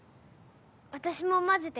私も混ぜて。